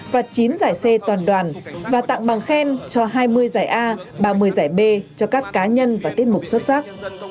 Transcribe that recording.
và chín giải c toàn đoàn và tặng bằng khen cho hai mươi giải a ba mươi giải b cho các cá nhân và tiết mục xuất sắc